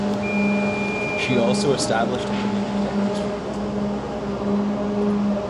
She also established and managed housing for vulnerable women.